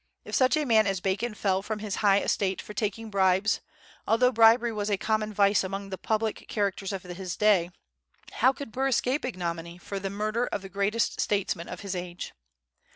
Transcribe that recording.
If such a man as Bacon fell from his high estate for taking bribes, although bribery was a common vice among the public characters of his day, how could Burr escape ignominy for the murder of the greatest statesman of his age?